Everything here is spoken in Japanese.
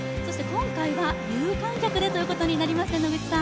今回は、有観客でということになりました。